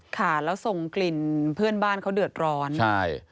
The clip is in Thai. ค่ะแล้วส่งกลิ่นเพื่อนบ้านเขาเดือดร้อนใช่